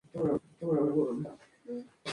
La necesidad hace maestros